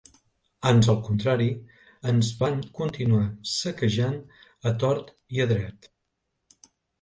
Ans al contrari, ens van continuar saquejant a tort i a dret.